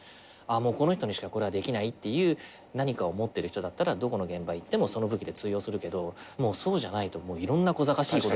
もうこの人にしかこれはできないっていう何かを持ってる人だったらどこの現場行ってもその武器で通用するけどそうじゃないといろんな小ざかしいこと。